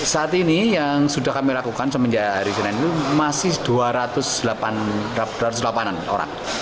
saat ini yang sudah kami lakukan semenjak hari senin itu masih dua ratus delapan an orang